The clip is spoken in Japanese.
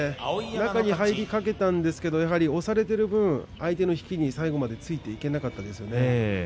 中に入りかけたんですけどやっぱり押されている分相手の引きに最後までついていくことができませんでしたね。